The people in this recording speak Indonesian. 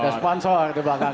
ada sponsor di belakang